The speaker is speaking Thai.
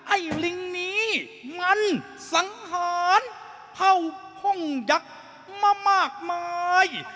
ไอ้ลิงนี้มันสังหารเผ่าพ่งยักษ์มามากมาย